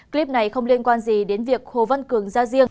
clip này không liên quan gì đến việc hồ văn cường ra riêng